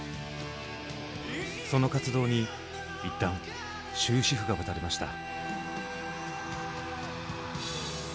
その活動に一旦終止符が打たれました。